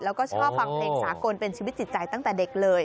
แล้วก็ชอบฟังเพลงสากลเป็นชีวิตจิตใจตั้งแต่เด็กเลย